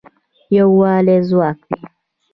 یووالی ځواک دی